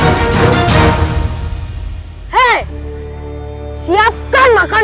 arecia tuah lah ini